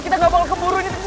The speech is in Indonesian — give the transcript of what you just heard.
kita ga bakal kemburuin ini